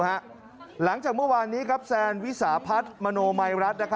หลังจากเมื่อวานนี้แซนวิสาพัฒน์มโนมัยรัฐ